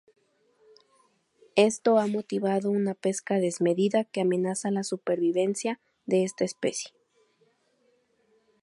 Esto ha motivado una pesca desmedida que amenaza la supervivencia de esta especie.